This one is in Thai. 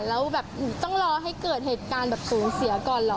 แล้วแบบต้องรอให้เกิดเหตุการณ์แบบศูนย์เสียก่อนเหรอ